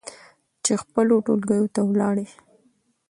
چې خپلو ټولګيو ته ولاړې